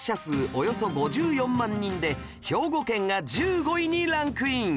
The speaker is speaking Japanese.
およそ５４万人で兵庫県が１５位にランクイン